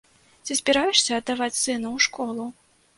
Ці збіраешся аддаваць сына ў школу?